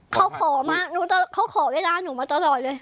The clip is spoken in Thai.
เขาขอมาเขาขอเวลาหนูมาตลอดเลย